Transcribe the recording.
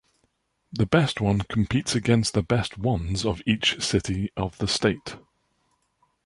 The best one competes against the best ones of each city of the state.